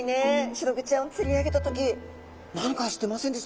シログチちゃんを釣り上げた時何かしてませんでしたか？